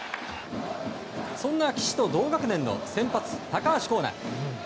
そんな岸と同学年の先発、高橋光成。